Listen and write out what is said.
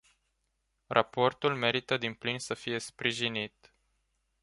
Raportul merită din plin să fie sprijinit.